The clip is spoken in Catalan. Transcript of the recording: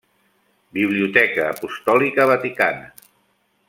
Biblioteca Apostòlica Vaticana.